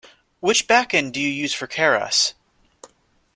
Which backend do you use for Keras?